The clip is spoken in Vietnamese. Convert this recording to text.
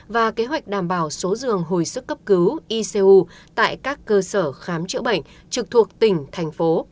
và kế hoạch đảm bảo số giường hồi sức cấp cứu icu tại các cơ sở khám chữa bệnh trực thuộc tỉnh thành phố